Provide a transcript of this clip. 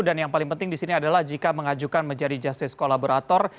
dan yang paling penting disini adalah jika mengajukan menjadi justice collaborator